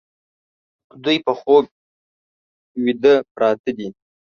دوی په خوب ویده پراته دي